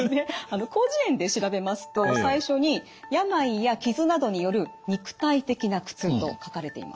「広辞苑」で調べますと最初に「肉体的な苦痛」と書かれています。